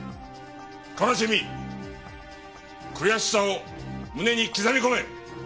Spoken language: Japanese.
悲しみ悔しさを胸に刻み込め！